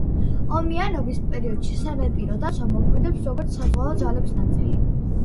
ომიანობის პერიოდში სანაპირო დაცვა მოქმედებს როგორც საზღვაო ძალების ნაწილი.